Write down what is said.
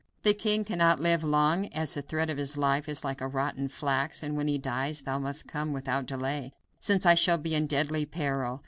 The king cannot live long, as the thread of his life is like rotten flax, and when he dies thou must come without delay, since I shall be in deadly peril.